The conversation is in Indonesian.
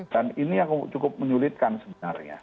dan ini yang cukup menyulitkan sebenarnya